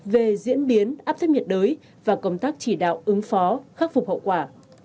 về diễn biến áp thấp nhiệt đới và công tác chỉ đạo ứng phó khắc phục hậu quả